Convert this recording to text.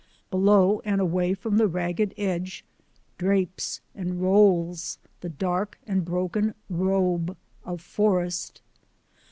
Below and away from the ragged edge drapes and rolls the dark and broken robe of forest.